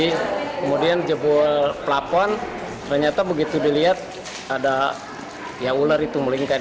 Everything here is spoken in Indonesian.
kemudian jebol plafon ternyata begitu dilihat ada ya ular itu melingkar